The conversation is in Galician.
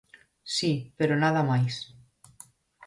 Si, pero nada máis.